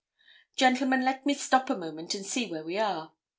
Gentlemen, let me stop a moment and see where we are.